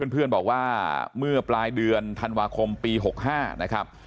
เพื่อนบอกว่าเมื่อปลายเดือนธันวาคมปี๖๕นะครับ